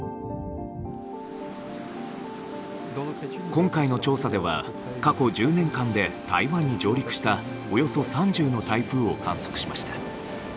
今回の調査では過去１０年間で台湾に上陸したおよそ３０の台風を観測しました。